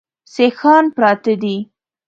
سیکهان پراته دي.